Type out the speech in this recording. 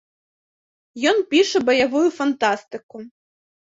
Ён піша баявую фантастыку.